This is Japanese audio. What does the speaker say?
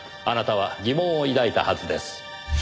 あなたは疑問を抱いたはずです。